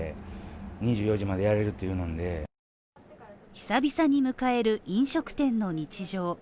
久々に迎える飲食店の日常。